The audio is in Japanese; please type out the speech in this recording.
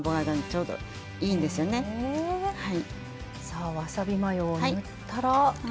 さあわさびマヨを塗ったら。